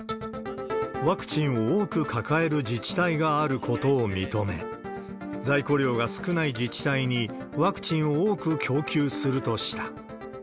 ワクチンを多く抱える自治体があることを認め、在庫量が少ない自治体にワクチンを多く供給するとした。